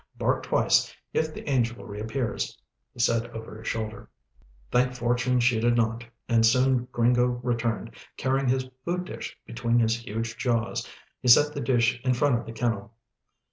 "Bark twice, if the angel re appears," he said over his shoulder. Thank fortune she did not, and soon Gringo returned, carrying his food dish between his huge jaws. He set the dish in front of the kennel.